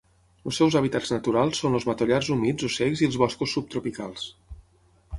Els seus hàbitats naturals són els matollars humits o secs i els boscos subtropicals.